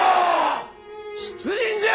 出陣じゃ！